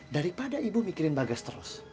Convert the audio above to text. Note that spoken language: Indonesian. daripada ibu mikirin bagas terus